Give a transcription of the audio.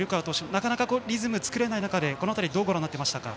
なかなかリズムが作れない中でどうご覧になってましたか。